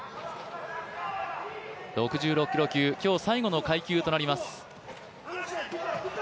６６キロ級、今日最後の階級となります。